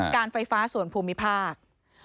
การไฟฟ้าส่วนภูมิภาค